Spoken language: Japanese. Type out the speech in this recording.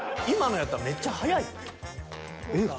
今のやったらめっちゃ早いで。